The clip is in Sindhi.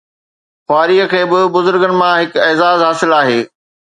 خواري کي به بزرگن مان هڪ اعزاز حاصل آهي